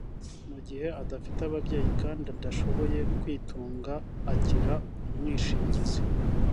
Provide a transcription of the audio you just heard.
mu gihe adafite ababyeyi kandi adashoboye kwitunga agira umwishingizi